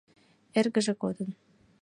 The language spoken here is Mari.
Эргыже кодын.